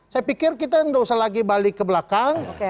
saya pikir kita tidak usah lagi balik ke belakang